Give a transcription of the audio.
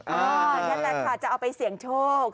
นั่นแหละค่ะจะเอาไปเสี่ยงโชค